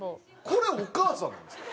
これお母さんなんですか？